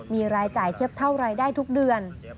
มีรายจ่ายเทียบเท่ารายได้ทุกเดือน